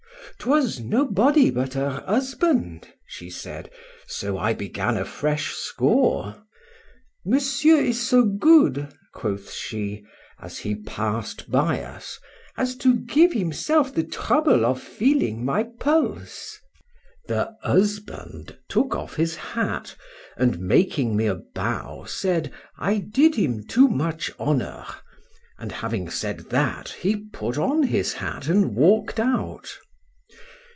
—'Twas nobody but her husband, she said;—so I began a fresh score.—Monsieur is so good, quoth she, as he pass'd by us, as to give himself the trouble of feeling my pulse.—The husband took off his hat, and making me a bow, said, I did him too much honour—and having said that, he put on his hat and walk'd out.